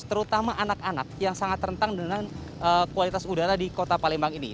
terutama anak anak yang sangat rentang dengan kualitas udara di kota palembang ini